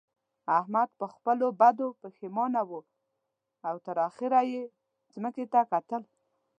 احمد پر خپلو بدو پېښمانه وو او تر اخېره يې ځمکې ته کتل.